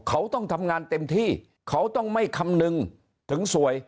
เขาต้องทำงานเต็มที่เขาต้องไม่คำนึงถึงสวย